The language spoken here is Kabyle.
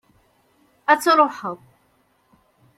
ad truḥeḍ